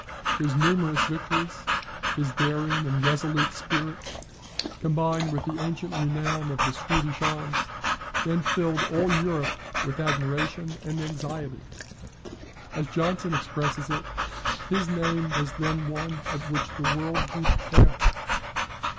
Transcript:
His numerous victories, his daring and resolute spirit, combined with the ancient renown of the Swedish arms, then filled all Europe with admiration and anxiety. As Johnson expresses it, his name was then one at which the world grew pale.